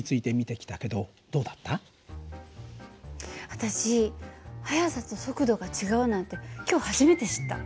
私速さと速度が違うなんて今日初めて知った。